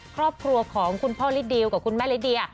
ครอบครัวของคุณพ่อลิดิวกับคุณแม่ลิเดีย